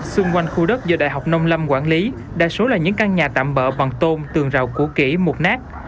xung quanh khu đất do đại học nông lâm quản lý đa số là những căn nhà tạm bỡ bằng tôm tường rào củ kỹ mục nát